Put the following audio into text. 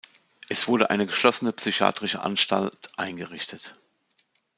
Es wurde eine geschlossene psychiatrische Anstalt eingerichtet.